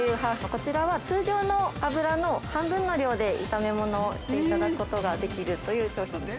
こちらは、通常の油の半分の量で炒め物をしていただくことができるという商品です。